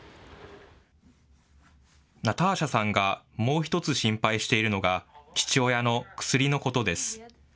ナターシャさんがもう１つ心配しているのが、父親の薬のことです。